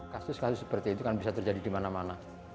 kasus kasus seperti itu kan bisa terjadi di mana mana